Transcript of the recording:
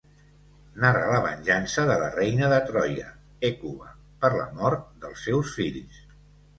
Narra la venjança de la reina de Troia, Hècuba per la mort dels seus fills.